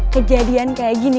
kejadian kayak gini